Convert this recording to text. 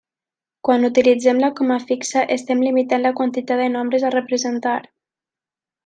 Quan utilitzem la coma fixa estem limitant la quantitat de nombres a representar.